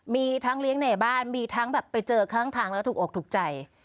มีทั้งเลี้ยงในบ้านมีทั้งแบบไปเจอข้างทางแล้วถูกอกถูกใจ